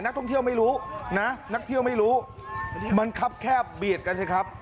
ท่องเที่ยวไม่รู้นะนักเที่ยวไม่รู้มันครับแคบเบียดกันสิครับ